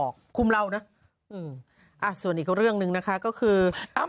ก็เค้าบอกว่า